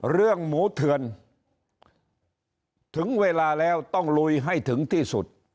เรื่องหมูเถือนถึงเวลาแล้วต้องลุยให้ถึงที่สุด